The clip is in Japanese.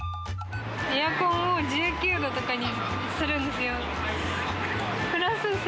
エアコンを１９度とかにするんですよ。